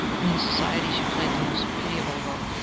In society she played the most pitiable role.